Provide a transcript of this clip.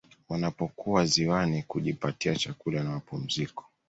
Wanapokuwa ziwani kujipatia chakula na mapumziko